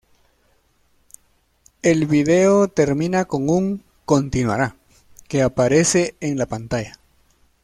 El video termina con un "continuará" que aparece en la pantalla.